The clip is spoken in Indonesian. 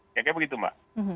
kira kira begitu mbak